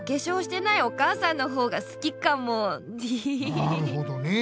なるほどねえ。